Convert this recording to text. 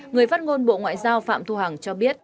người phát ngôn bộ ngoại giao phạm thu hằng cho biết